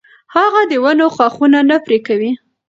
هغه د ونو ښاخونه نه پرې کوي.